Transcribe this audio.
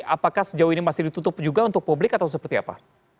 apakah sejauh ini masih ditutup juga untuk publik atau seperti apa